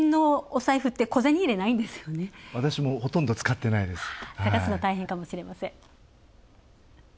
探すの大変かもしれません。